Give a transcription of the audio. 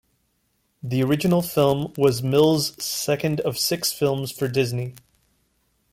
The original film was Mills' second of six films for Disney.